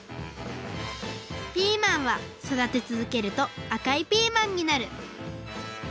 ピーマンはそだてつづけるとあかいピーマンになる！